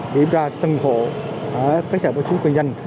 kiểm tra tầng hộ ở các hệ báo chú quân dân